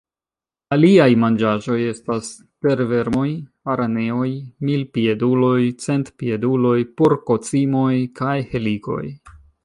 Aliaj manĝaĵoj estas tervermoj, araneoj, milpieduloj, centpieduloj, porkocimoj kaj helikoj.